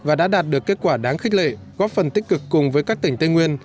và đã đạt được kết quả đáng khích lệ góp phần tích cực cùng với các tỉnh tây nguyên